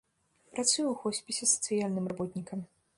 Працуе ў хоспісе сацыяльным работнікам.